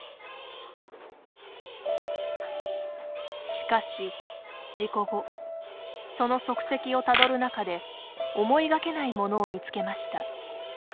しかし、事故後その足跡をたどる中で思いがけないものを見つけました。